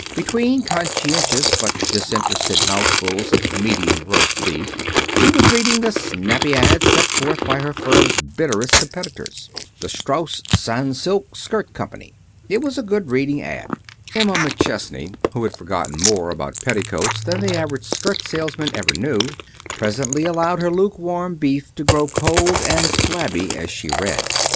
Between conscientious, but disinterested mouthfuls of medium roast beef, she was reading the snappy ad set forth by her firm's bitterest competitors, the Strauss Sans silk Skirt Company. It was a good reading ad. Emma McChesney, who had forgotten more about petticoats than the average skirt salesman ever knew, presently allowed her luke warm beef to grow cold and flabby as she read.